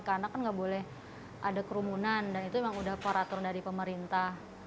karena kan nggak boleh ada kerumunan dan itu memang udah peratur dari pemerintah